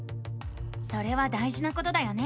それは大じなことだよね。